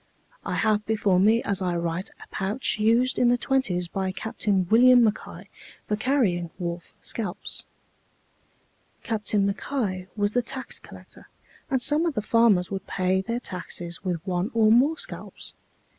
I have before me as I write a pouch used in the twenties by Captain William Mackay for carrying wolf scalps. Captain Mackay was the tax collector, and some of the farmers would pay their taxes with one or more scalps.